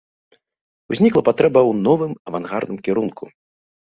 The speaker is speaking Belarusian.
Узнікла патрэба ў новым авангардным кірунку.